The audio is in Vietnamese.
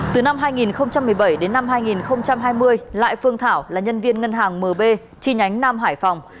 từ năm hai nghìn một mươi bảy đến năm hai nghìn hai mươi lại phương thảo là nhân viên ngân hàng mb chi nhánh nam hải phòng